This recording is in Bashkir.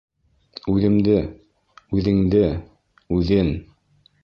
Үҙемде, үҙеңде, үҙен